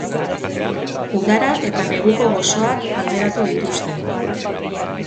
Udara eta neguko gozoak alderatu dituzte.